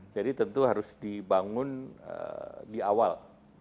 jadi tentu harus dibangun di awal